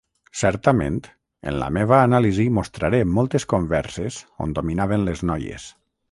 Certament, en la meva anàlisi mostraré moltes converses on dominaven les noies.